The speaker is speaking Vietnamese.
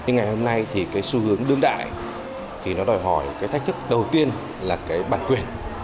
nhưng ngày hôm nay thì cái xu hướng đương đại thì nó đòi hỏi cái thách thức đầu tiên là cái bản quyền